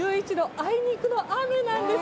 あいにくの雨なんです。